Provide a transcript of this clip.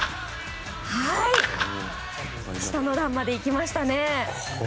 下の段まで行きましたね。